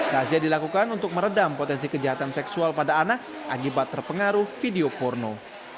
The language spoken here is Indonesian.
razia dilakukan untuk meredam potensi kejahatan seksual pada anak akibat terpengaruh video porno